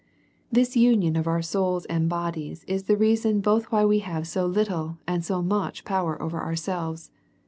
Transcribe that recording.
This union of our souls and bodies is the reason both why we have so little and so much power ovei* ourselves.